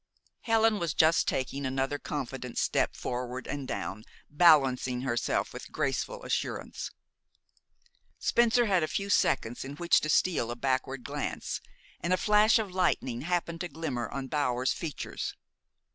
Helen was just taking another confident step forward and down, balancing herself with graceful assurance. Spencer had a few seconds in which to steal a backward glance, and a flash of lightning happened to glimmer on Bower's features.